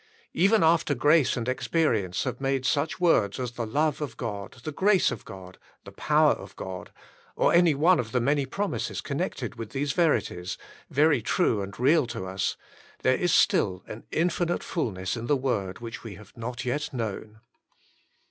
Even after grace and experience have made such words as the love of God, the grace 69 'JO The Inner Chamber of God, the power of God, or any one of the many promises connected with these verities, very true and real to us, there is still an infinite fulness in the Word we have not yet known.